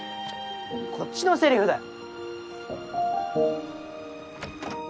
こっちのセリフだよ。